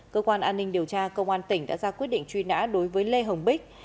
cơ quan an ninh điều tra công an tỉnh đã ra quyết định truy nã đối với lê hồng bích